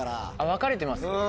分かれてます？